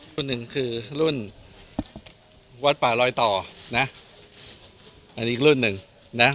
รุ่นหนึ่งคือรุ่นวัดป่าลอยต่อนะอันนี้อีกรุ่นหนึ่งนะ